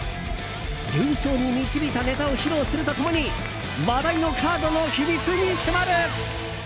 優勝に導いたネタを披露すると共に話題のカードの秘密に迫る！